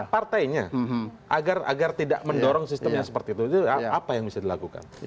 partainya agar tidak mendorong sistemnya seperti itu apa yang bisa dilakukan